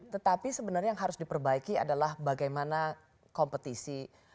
tetapi sebenarnya yang harus diperbaiki adalah bagaimana kompetisi